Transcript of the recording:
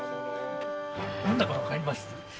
何だか分かります？